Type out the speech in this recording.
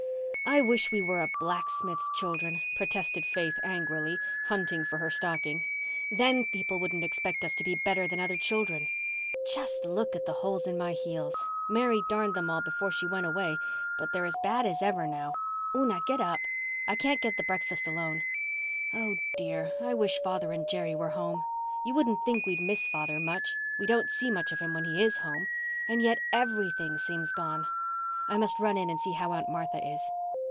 "I wish we were a blacksmith's children," protested Faith angrily, hunting for her stockings. "Then people wouldn't expect us to be better than other children. Just look at the holes in my heels. Mary darned them all up before she went away, but they're as bad as ever now. Una, get up. I can't get the breakfast alone. Oh, dear. I wish father and Jerry were home. You wouldn't think we'd miss father much—we don't see much of him when he is home. And yet everything seems gone. I must run in and see how Aunt Martha is."